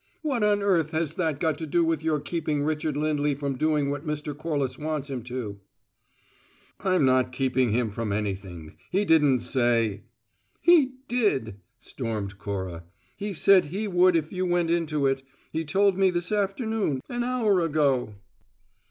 What on earth has that got to do with your keeping Richard Lindley from doing what Mr. Corliss wants him to?" "I'm not keeping him from anything. He didn't say " "He did!" stormed Cora. "He said he would if you went into it. He told me this afternoon, an hour ago."